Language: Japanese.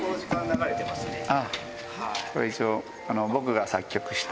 これ一応、僕が作曲した。